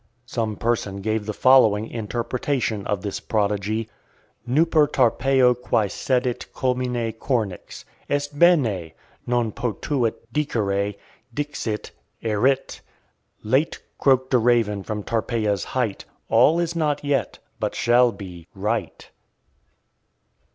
Some person gave the following interpretation of this prodigy: (498) Nuper Tarpeio quae sedit culmine cornix. "Est bene," non potuit dicere; dixit, "Erit." Late croaked a raven from Tarpeia's height, "All is not yet, but shall be, right."